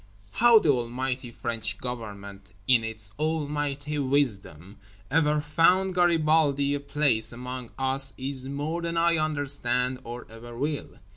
How the Almighty French Government in its Almighty Wisdom ever found Garibaldi a place among us is more than I understand or ever will.